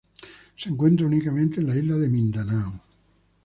Se encuentra únicamente en la isla de Mindanao.